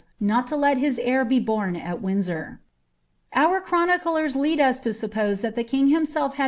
not to let his heir be bom at Windsor. Our clironiclers lead us to suppose that the king himself hai!